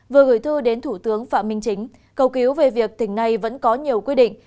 vừa gửi thư đến thủ tướng phạm minh chính cầu cứu về việc tỉnh này vẫn có nhiều quy định